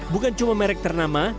bukan cuma merek ternama